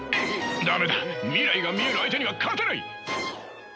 駄目だ未来が見える相手には勝てない！